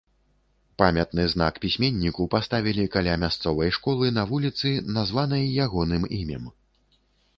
Памятны знак пісьменніку паставілі каля мясцовай школы на вуліцы, названай ягоным імем.